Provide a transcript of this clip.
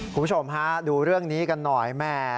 คุณผู้ชมฮะดูเรื่องนี้กันหน่อยแม่